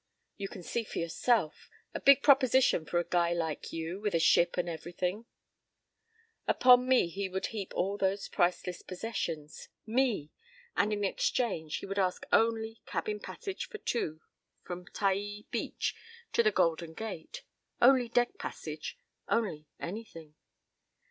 You can see for yourself, a big proposition for a guy like you, with a ship and everything—" Upon me he would heap all those priceless "possessions." Me! And in exchange he would ask only cabin passage for two from Taai beach to the Golden Gate. Only deck passage! Only anything!